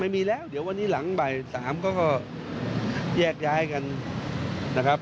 ไม่มีแล้วเดี๋ยววันนี้หลังบ่าย๓เขาก็แยกย้ายกันนะครับ